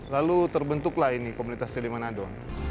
lalu terbentuklah ini komunitas selimanado